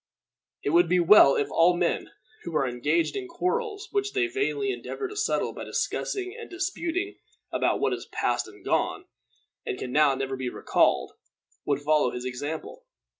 It would be well if all men who are engaged in quarrels which they vainly endeavor to settle by discussing and disputing about what is past and gone, and can now never be recalled, would follow his example.